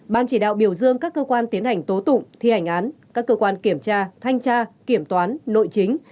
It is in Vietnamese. ban chỉ đạo biểu dương các cơ quan tiến hành tố tụng thi hành án các cơ quan kiểm tra thanh tra kiểm toán nội chính